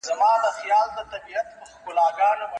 شاګرد ولي د موضوع حدود ټاکي؟